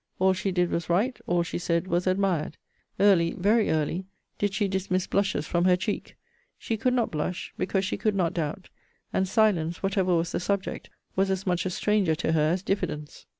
All she did was right: all she said was admired. Early, very early, did she dismiss blushes from her cheek. She could not blush, because she could not doubt: and silence, whatever was the subject, was as much a stranger to her as diffidence.